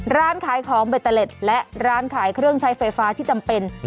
ร้านขายของเบตเตอร์เล็ตและร้านขายเครื่องใช้ไฟฟ้าที่จำเป็น